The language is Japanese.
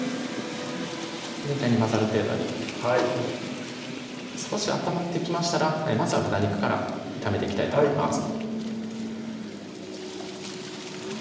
全体に混ざる程度にはい少し温まってきましたらまずは豚肉から炒めていきたいと思います